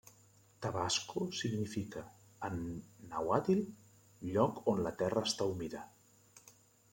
Tabasco significa, en Nàhuatl, lloc on la terra està humida.